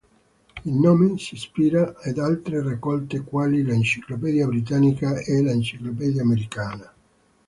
Il nome si ispira ad altre raccolte, quali l"Encyclopædia Britannica" e l"Encyclopedia Americana".